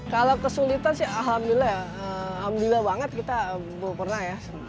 kalau kesulitan sih alhamdulillah alhamdulillah banget kita belum pernah ya